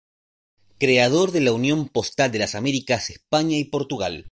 Creador de la Unión Postal de las Americas, España y Portugal.